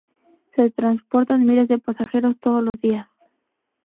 Se transportan miles de pasajeros todos los días.